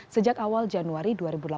sejak awal januari dua ribu delapan belas